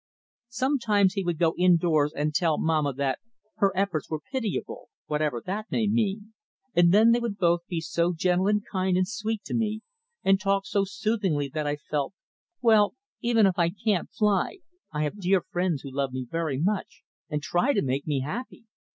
Sometimes he would go indoors and tell Mamma that "her efforts were pitiable," whatever that may mean, and then they would both be so gentle and kind and sweet to me, and talk so soothingly that I felt: "Well, even if I can't fly, I have dear friends who love me very much and try to make me happy!"